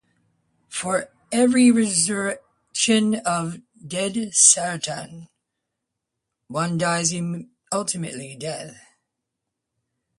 For every resurrected dead Sartan, one dies an untimely death.